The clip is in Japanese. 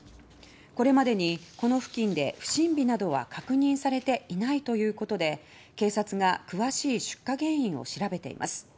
これまでにこの付近で不審火などは確認されていないということで警察が詳しい出火原因を調べています。